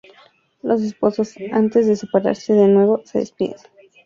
Los esposos, antes de separarse de nuevo, se despiden.